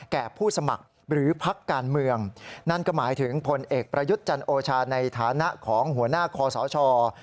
ผู้สมัครหรือพักการเมืองนั่นก็หมายถึงพลเอกประยุทธ์จันโอชาในฐานะของหัวหน้าคอสช